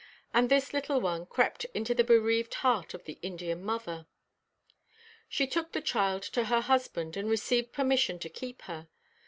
And this little one crept into the bereaved heart of the Indian mother. She took the child to her husband, and received permission to keep her.